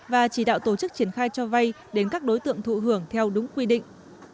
và chỉ đạo tổ chức triển khai cho vay đến các đối tượng thụ hưởng theo đúng quy định